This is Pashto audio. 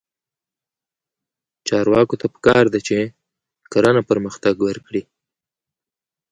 چارواکو ته پکار ده چې، کرنه پرمختګ ورکړي.